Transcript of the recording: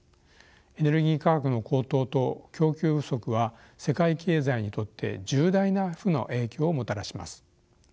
エネルギー価格の高騰と供給不足は世界経済にとって重大な負の影響をもたらします。